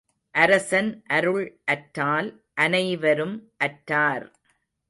அரசன் அருள் அற்றால் அனைவரும் அற்றார்.